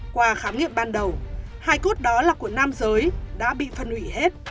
qua khám nghiệm ban đầu hai cốt đó là của nam giới đã bị phân hủy hết